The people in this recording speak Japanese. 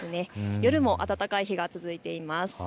夜も暖かい日が続いています。